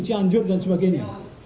cianjur dan sebagainya